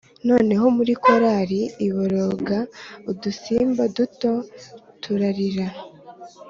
noneho muri korari iboroga udusimba duto turarira